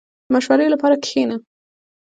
• د مشورې لپاره کښېنه.